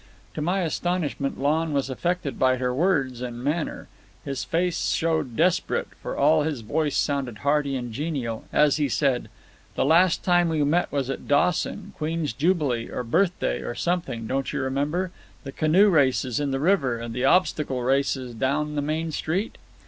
To my astonishment, Lon was affected by her words and manner. His face showed desperate, for all his voice sounded hearty and genial, as he said— "The last time we met was at Dawson, Queen's Jubilee, or Birthday, or something—don't you remember?—the canoe races in the river, and the obstacle races down the main street?"